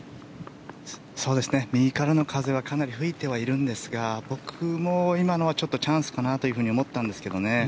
右からの風はかなり吹いてはいるんですが僕も今のはちょっとチャンスかなと思ったんですけどね。